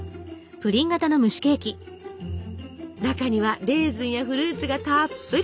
中にはレーズンやフルーツがたっぷり。